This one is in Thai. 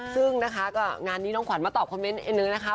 ซึ่งนะคะก็งานนี้น้องขวัญมาตอบคอมเมนต์นึงนะคะ